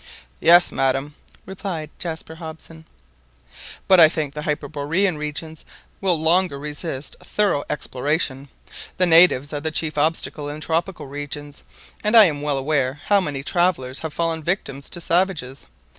"Yes, madam," replied Jaspar Hobson; "but I think the hyperborean regions will longer resist thorough exploration. The natives are the chief obstacle in tropical regions, and I am well aware how many travellers have fallen victims to savages.